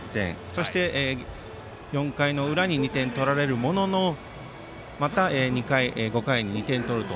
そして、４回の裏に２点取られたもののまた５回に２点取ると。